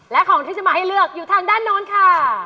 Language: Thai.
และของที่จะมาให้เลือกอยู่ทางด้านโน้นค่ะ